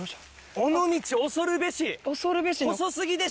尾道恐るべし！